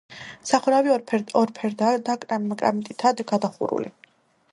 სახურავი ორფერდაა და კრამიტითაა გადახურული.